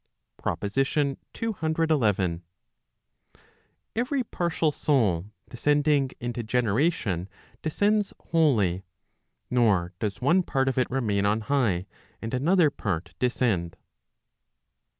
PROPOSITION CCXI. Every partial soul descending into generation descends wholly; nor does one part of it remain on high, and another part descend.